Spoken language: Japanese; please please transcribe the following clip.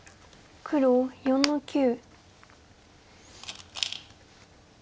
黒４の二。